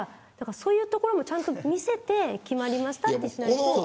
そういうところもちゃんと見せて決まりましたって。